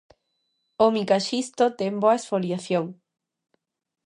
O micaxisto ten boa exfoliación.